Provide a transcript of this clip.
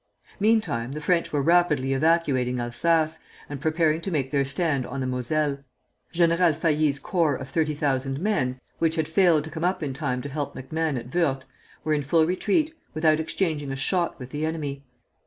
Meantime the French were rapidly evacuating Alsace, and preparing to make their stand on the Moselle. General Failly's corps of thirty thousand men, which had failed to come up in time to help MacMahon at Wörth, were in full retreat, without exchanging a shot with the enemy.